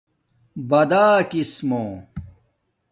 باداکس مُو